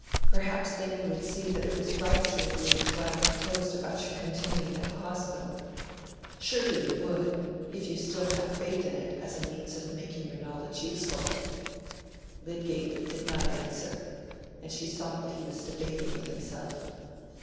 Perhaps then you would see that it was right to agree with what I proposed about your continuing at the Hospital. Surely you would, if you still have faith in it as a means of making your knowledge useful?" Lydgate did not answer, and she saw that he was debating with himself.